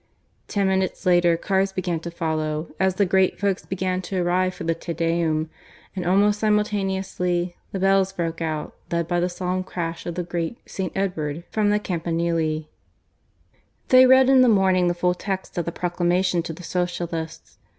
Ten minutes later cars began to follow, as the great folks began to arrive for the Te Deum, and almost simultaneously the bells broke out, led by the solemn crash of the great "St. Edward" from the campanile. (V) They read in the morning the full text of the proclamation to the Socialists.